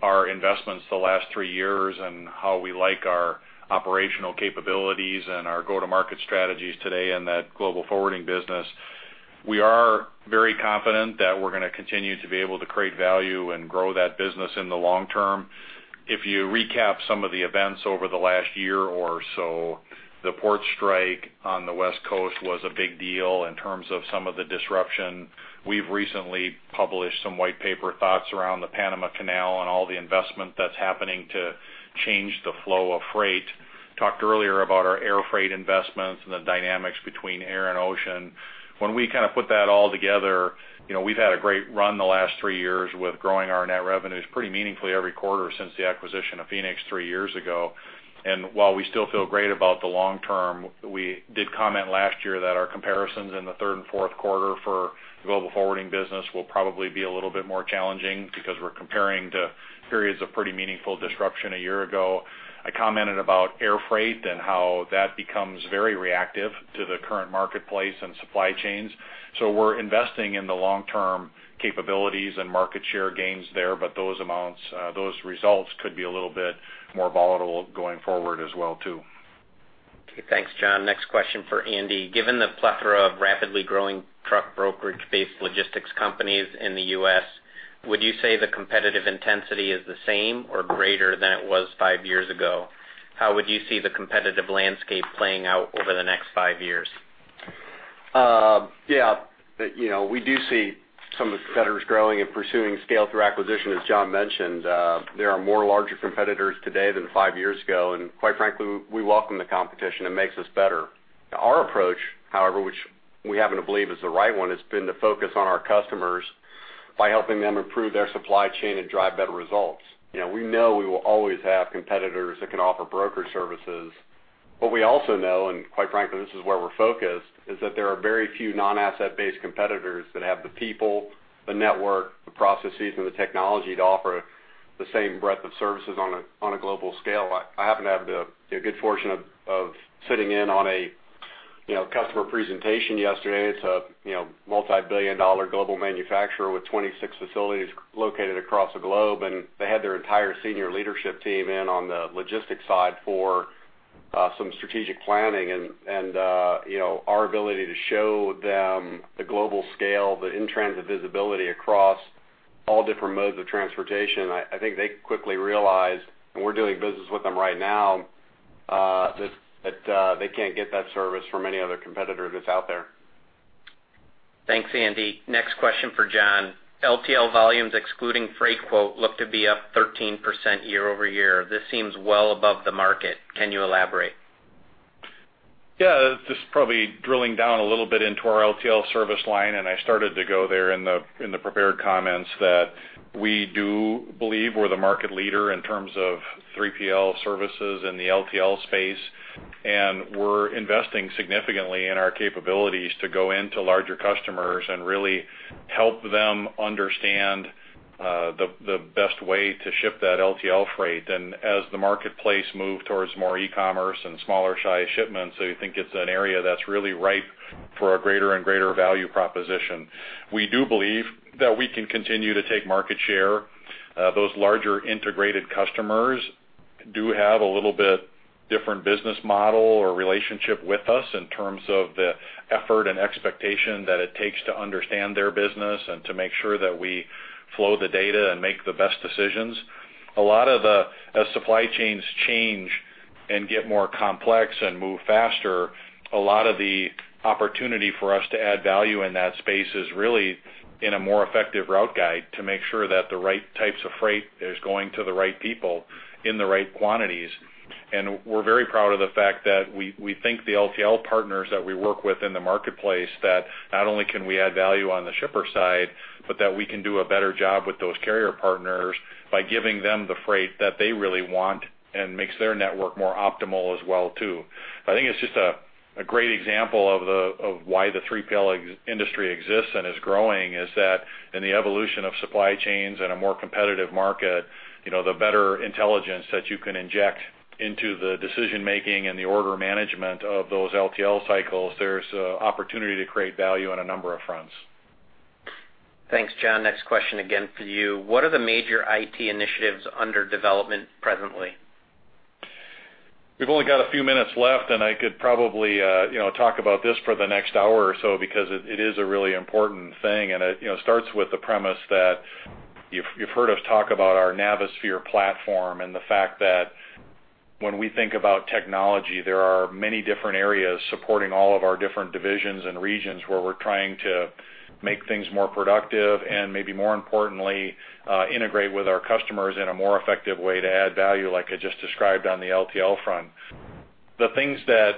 our investments the last three years, and how we like our operational capabilities and our go-to-market strategies today in that global forwarding business. We are very confident that we're going to continue to be able to create value and grow that business in the long term. If you recap some of the events over the last year or so, the port strike on the West Coast was a big deal in terms of some of the disruption. We've recently published some white paper thoughts around the Panama Canal and all the investment that's happening to change the flow of freight. Talked earlier about our air freight investments and the dynamics between air and ocean. When we put that all together, we've had a great run the last three years with growing our net revenues pretty meaningfully every quarter since the acquisition of Phoenix three years ago. While we still feel great about the long term, we did comment last year that our comparisons in the third and fourth quarter for the global forwarding business will probably be a little bit more challenging because we're comparing to periods of pretty meaningful disruption a year ago. I commented about air freight and how that becomes very reactive to the current marketplace and supply chains. We're investing in the long-term capabilities and market share gains there, but those results could be a little bit more volatile going forward as well, too. Okay. Thanks, John. Next question for Andy. Given the plethora of rapidly growing truck brokerage-based logistics companies in the U.S., would you say the competitive intensity is the same or greater than it was five years ago? How would you see the competitive landscape playing out over the next five years? Yeah. We do see some of the competitors growing and pursuing scale through acquisition, as John mentioned. There are more larger competitors today than five years ago. Quite frankly, we welcome the competition. It makes us better. Our approach, however, which we happen to believe is the right one, has been to focus on our customers by helping them improve their supply chain and drive better results. We know we will always have competitors that can offer broker services. What we also know, and quite frankly, this is where we're focused, is that there are very few non-asset-based competitors that have the people, the network, the processes, and the technology to offer the same breadth of services on a global scale. I happened to have the good fortune of sitting in on a customer presentation yesterday. It's a multibillion-dollar global manufacturer with 26 facilities located across the globe. They had their entire senior leadership team in on the logistics side for some strategic planning. Our ability to show them the global scale, the in-transit visibility across all different modes of transportation, I think they quickly realized, and we're doing business with them right now, that they can't get that service from any other competitor that's out there. Thanks, Andy. Next question for John. LTL volumes, excluding Freightquote, look to be up 13% year-over-year. This seems well above the market. Can you elaborate? Yeah. This is probably drilling down a little bit into our LTL service line. I started to go there in the prepared comments that we do believe we're the market leader in terms of 3PL services in the LTL space. We're investing significantly in our capabilities to go into larger customers and really help them understand the best way to ship that LTL freight. As the marketplace move towards more e-commerce and smaller size shipments, so you think it's an area that's really ripe for a greater and greater value proposition. We do believe that we can continue to take market share. Those larger integrated customers do have a little bit different business model or relationship with us in terms of the effort and expectation that it takes to understand their business and to make sure that we flow the data and make the best decisions. As supply chains change and get more complex and move faster, a lot of the opportunity for us to add value in that space is really in a more effective route guide to make sure that the right types of freight is going to the right people in the right quantities. We're very proud of the fact that we think the LTL partners that we work with in the marketplace, that not only can we add value on the shipper side, but that we can do a better job with those carrier partners by giving them the freight that they really want and makes their network more optimal as well, too. I think it's just a great example of why the 3PL industry exists and is growing, is that in the evolution of supply chains and a more competitive market, the better intelligence that you can inject into the decision making and the order management of those LTL cycles, there's opportunity to create value on a number of fronts. Thanks, John. Next question again for you. What are the major IT initiatives under development presently? We've only got a few minutes left, and I could probably talk about this for the next hour or so because it is a really important thing, and it starts with the premise that you've heard us talk about our Navisphere platform and the fact that When we think about technology, there are many different areas supporting all of our different divisions and regions where we're trying to make things more productive and maybe more importantly, integrate with our customers in a more effective way to add value, like I just described on the LTL front. The things that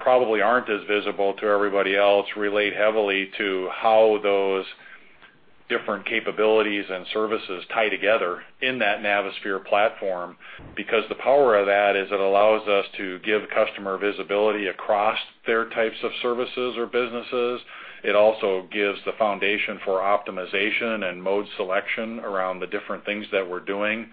probably aren't as visible to everybody else relate heavily to how those different capabilities and services tie together in that Navisphere platform. The power of that is it allows us to give customer visibility across their types of services or businesses. It also gives the foundation for optimization and mode selection around the different things that we're doing.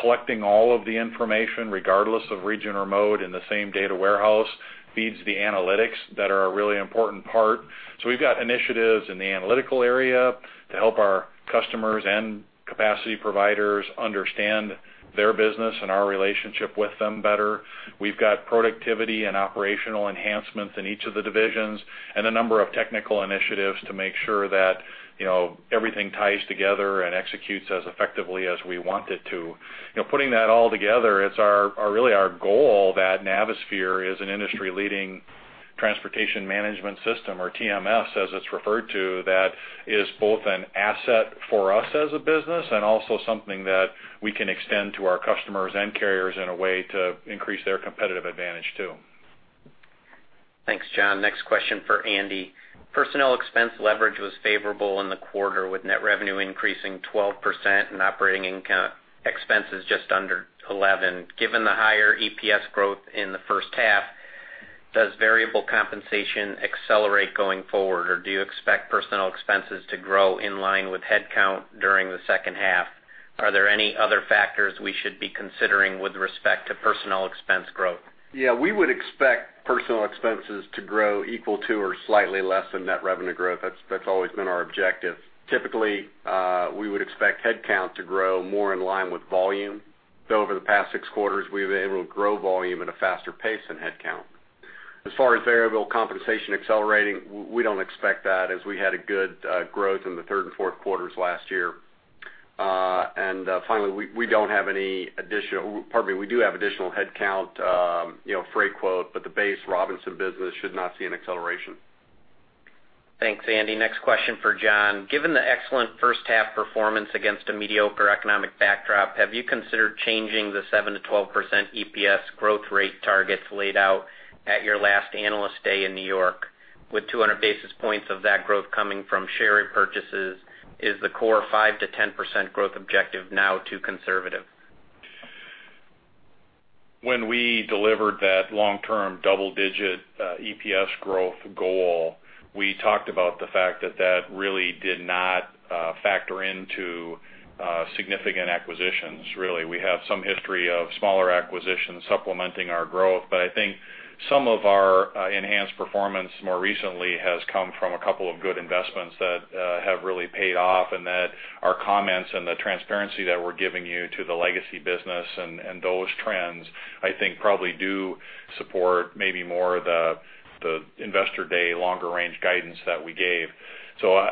Collecting all of the information, regardless of region or mode in the same data warehouse, feeds the analytics that are a really important part. We've got initiatives in the analytical area to help our customers and capacity providers understand their business and our relationship with them better. We've got productivity and operational enhancements in each of the divisions, and a number of technical initiatives to make sure that everything ties together and executes as effectively as we want it to. Putting that all together, it's really our goal that Navisphere is an industry-leading transportation management system, or TMS as it's referred to, that is both an asset for us as a business and also something that we can extend to our customers and carriers in a way to increase their competitive advantage, too. Thanks, John. Next question for Andy. Personnel expense leverage was favorable in the quarter, with net revenue increasing 12% and operating expenses just under 11%. Given the higher EPS growth in the first half, does variable compensation accelerate going forward, or do you expect personnel expenses to grow in line with headcount during the second half? Are there any other factors we should be considering with respect to personnel expense growth? We would expect personnel expenses to grow equal to or slightly less than net revenue growth. That's always been our objective. Typically, we would expect headcount to grow more in line with volume, though over the past six quarters, we've been able to grow volume at a faster pace than headcount. As far as variable compensation accelerating, we don't expect that as we had a good growth in the third and fourth quarters last year. Finally, we do have additional headcount Freightquote, the base Robinson business should not see an acceleration. Thanks, Andy. Next question for John. Given the excellent first half performance against a mediocre economic backdrop, have you considered changing the 7%-12% EPS growth rate targets laid out at your last Investor Day in New York, with 200 basis points of that growth coming from share repurchases? Is the core 5%-10% growth objective now too conservative? When we delivered that long-term double-digit EPS growth goal, we talked about the fact that that really did not factor into significant acquisitions, really. We have some history of smaller acquisitions supplementing our growth, I think some of our enhanced performance more recently has come from a couple of good investments that have really paid off, and that our comments and the transparency that we're giving you to the legacy business and those trends, I think probably do support maybe more of the Investor Day longer range guidance that we gave. I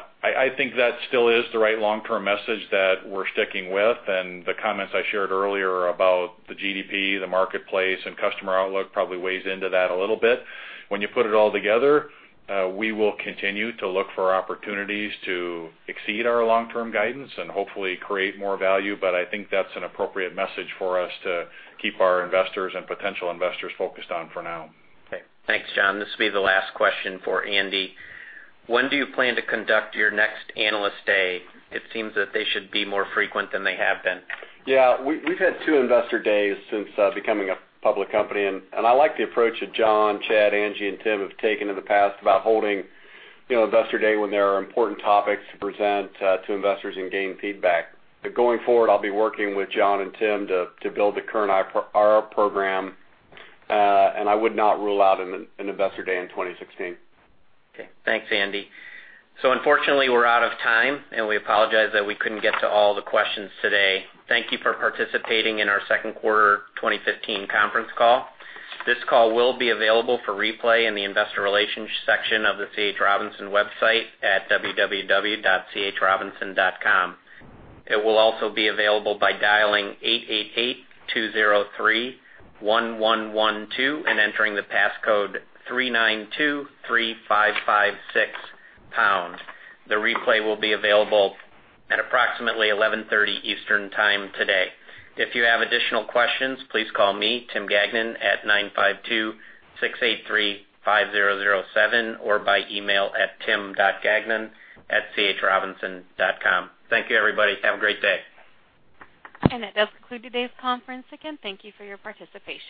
think that still is the right long-term message that we're sticking with. The comments I shared earlier about the GDP, the marketplace, and customer outlook probably weighs into that a little bit. When you put it all together, we will continue to look for opportunities to exceed our long-term guidance and hopefully create more value. I think that's an appropriate message for us to keep our investors and potential investors focused on for now. Okay. Thanks, John. This will be the last question for Andy. When do you plan to conduct your next Investor Day? It seems that they should be more frequent than they have been. Yeah. We've had two Investor Days since becoming a public company, and I like the approach that John, Chad, Angie, and Tim have taken in the past about holding Investor Day when there are important topics to present to investors and gain feedback. Going forward, I'll be working with John and Tim to build the current IR program, and I would not rule out an Investor Day in 2016. Okay, thanks, Andy. Unfortunately, we're out of time, and we apologize that we couldn't get to all the questions today. Thank you for participating in our second quarter 2015 conference call. This call will be available for replay in the investor relations section of the C. H. Robinson website at www.chrobinson.com. It will also be available by dialing 888-203-1112 and entering the passcode 3923556#. The replay will be available at approximately 11:30 A.M. Eastern Time today. If you have additional questions, please call me, Tim Gagnon, at 952-683-5007 or by email at tim.gagnon@chrobinson.com. Thank you, everybody. Have a great day. That does conclude today's conference. Again, thank you for your participation.